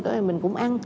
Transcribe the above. các bạn mình cũng ăn